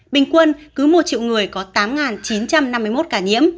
bình quân cứ một triệu người có tám chín trăm năm mươi một ca nhiễm